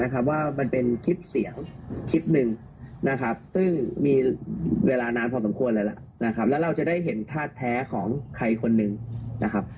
คลิปหนึ่งนะครับซึ่งมีเวลานานพอสมควรแล้วนะครับแล้วเราจะได้เห็นธาตุแท้ของใครคนหนึ่งนะครับ